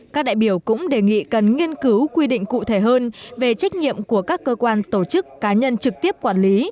các đại biểu cũng đề nghị cần nghiên cứu quy định cụ thể hơn về trách nhiệm của các cơ quan tổ chức cá nhân trực tiếp quản lý